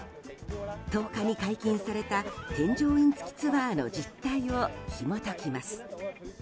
１０日に解禁された添乗員付きツアーの実態をひも解きます。